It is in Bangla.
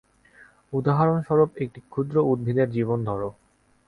উদাহরণস্বরূপ একটি ক্ষুদ্র উদ্ভিদের জীবন ধর।